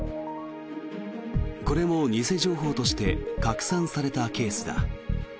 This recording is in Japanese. これも偽情報として拡散されたケースだ。